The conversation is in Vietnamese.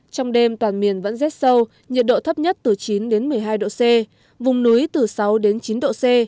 trong đêm toàn miền vẫn rét sâu nhiệt độ thấp nhất từ chín đến một mươi hai độ c vùng núi từ sáu đến chín độ c